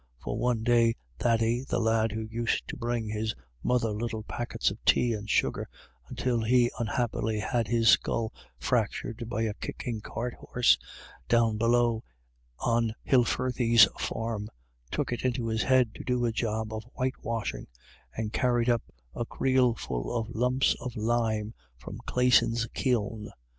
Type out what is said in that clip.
For one day Thady, the lad who used to bring his mother little packets of tea and sugar, until he unhappily had his skull fractured by a kicking cart horse down below on Hilfirthy's farm, took it into his head to do a job of whitewashing, and carried up a creelful of lumps of lime from Classon's kiln.